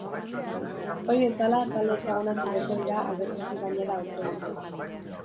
Ohi bezala, talde ezagunak igoko dira agertoki gainera aurten ere.